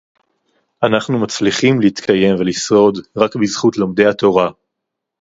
אנחנו מצליחים להתקיים ולשרוד רק בזכות לומדי התורה